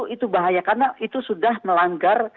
itu bahaya karena itu sudah melanggar